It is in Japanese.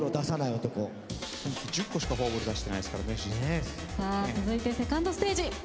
さあ続いてセカンドステージ。